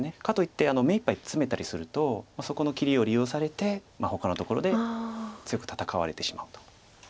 かといって目いっぱいツメたりするとそこの切りを利用されてほかのところで強く戦われてしまうと。